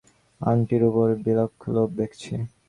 আংটির উপর বিলক্ষণ লোভ দেখছি।